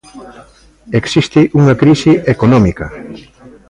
Existe unha crise económica.